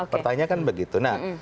pertanyaan kan begitu